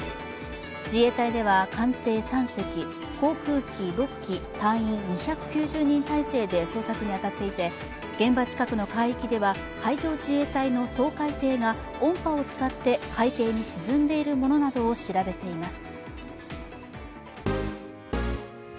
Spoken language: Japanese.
自衛隊では艦艇３隻、航空機６機、隊員２９０人体制で捜索に当たっていて現場近くの海域では海上自衛隊の掃海艇が音波を使って海底に沈んでいるものなどを調べています。